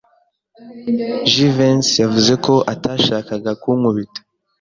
Jivency yavuze ko atashakaga kunkubita.